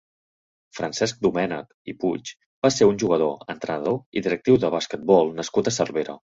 Francesc Domènech i Puig va ser un jugador, entrenador i directiu de basquetbol nascut a Cervera.